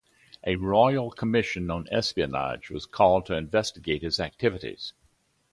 A Royal Commission on Espionage was called to investigate his activities.